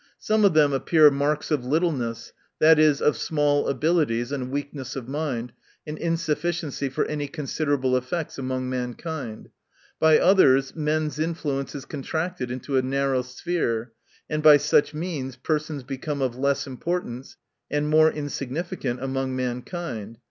— Some of them appear marks of littleness, i. e., of small abilities, and weakness of mind, and insufficiency for any considerable effects among mankind. — By others, men's influence is contracted into a narrow sphere, and by such means persons become of less importance, and more insignificant among mankind.